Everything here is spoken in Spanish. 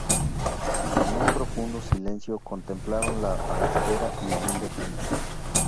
En un profundo silencio contemplaron la austera y humilde tumba.